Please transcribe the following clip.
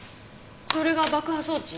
これが爆破装置？